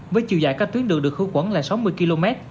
với chiều dài các tuyến đường được khử quẩn là sáu mươi km